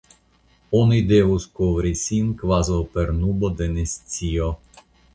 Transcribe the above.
Oni devus kovri sin kvazaŭ per nubo de nescio.